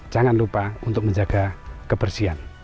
jangan lupa untuk menjaga kebersihan